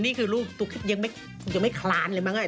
นี่คือลูกตูเก็บยังไม่คลานเลยแล้ว